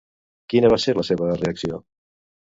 Quina va ser la seva reacció?